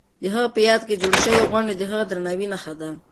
د هغه په یاد کې جوړې شوې غونډې د هغه د درناوي نښه ده.